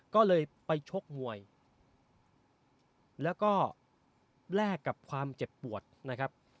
ก็เลยไปชกมวยแล้วก็แลกกับความเจ็บปวดนะครับ